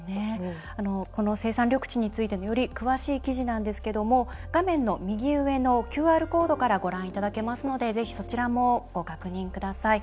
この生産緑地についてのより詳しい記事なんですが画面の右上のＱＲコードからご覧いただけますのでぜひそちらもご確認ください。